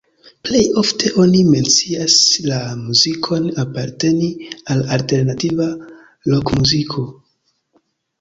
Plej ofte oni mencias la muzikon aparteni al alternativa rokmuziko.